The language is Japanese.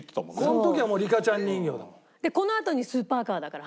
この時はもうリカちゃん人形だもん。